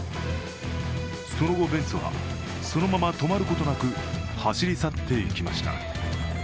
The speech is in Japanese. その後、ベンツはそのまま止まることなく走り去っていきました。